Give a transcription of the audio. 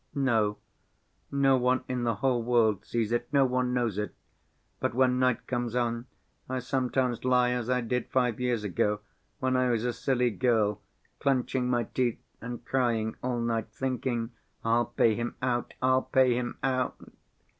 No, no one in the whole world sees it, no one knows it, but when night comes on, I sometimes lie as I did five years ago, when I was a silly girl, clenching my teeth and crying all night, thinking, 'I'll pay him out, I'll pay him out!